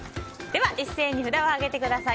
一斉に札を上げてください。